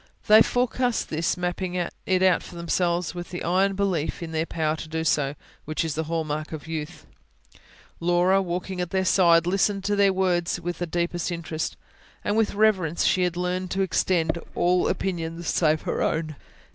They forecast this, mapping it out for themselves with the iron belief in their power to do so, which is the hall mark of youth. Laura, walking at their side, listened to their words with the deepest interest, and with the reverence she had learned to extend to all opinions save her own.